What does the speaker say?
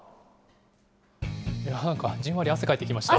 なんかじんわり汗かいてきました。